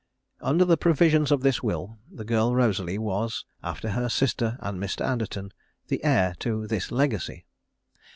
Under the provisions of this will, the girl Rosalie was, after her sister and Mr. Anderton, the heir to this legacy.